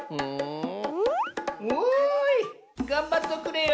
おいがんばっとくれよ。